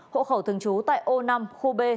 hộ khẩu thường trú tại ô năm khu b